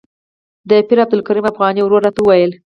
د پیر عبدالکریم افغاني ورور راته وویل.